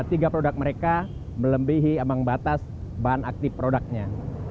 tiga produk mereka melebihi ambang batas bahan aktif produknya